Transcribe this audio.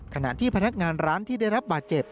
ขณะที่พนักงานร้านที่ได้รับบาดเจ็บ